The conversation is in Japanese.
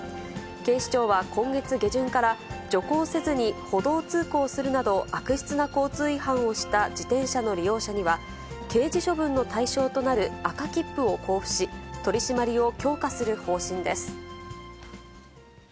警視庁は今月下旬から、徐行せずに歩道通行するなど、悪質な交通違反をした自転車の利用者には刑事処分の対象となる赤切符を交付し、取締りを強化する方針です。